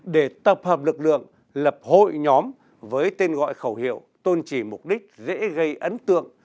để tập hợp lực lượng lập hội nhóm với tên gọi khẩu hiệu tôn trì mục đích dễ gây ấn tượng